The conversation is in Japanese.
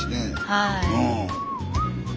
はい。